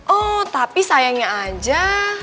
oh tapi sayangnya aja